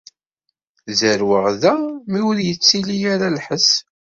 Zerrweɣ da mi ur yettili ara lḥess.